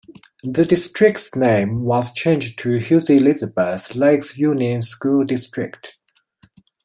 The district's name was changed to Hughes-Elizabeth Lakes Union School District.